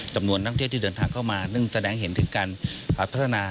จำนวนนักเที่ยวที่เดินทางเข้ามาซึ่งแสดงเห็นถึงการพัฒนา